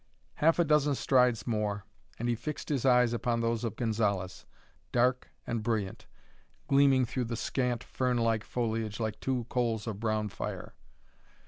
Half a dozen strides more, and he fixed his eyes upon those of Gonzalez, dark and brilliant, gleaming through the scant, fern like foliage like two coals of brown fire.